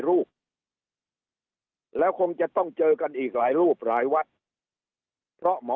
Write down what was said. รูปแล้วคงจะต้องเจอกันอีกหลายรูปหลายวัดเพราะหมอ